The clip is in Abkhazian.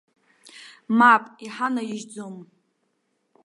Мап, иҳанаижьӡом.